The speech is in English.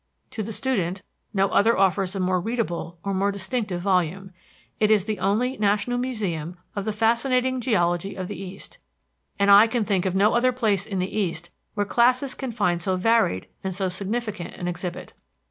To the student, no other offers a more readable or more distinctive volume; it is the only national museum of the fascinating geology of the east, and I can think of no other place in the east where classes can find so varied and so significant an exhibit.